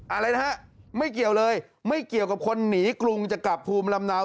อะไรนะฮะไม่เกี่ยวเลยไม่เกี่ยวกับคนหนีกรุงจะกลับภูมิลำเนา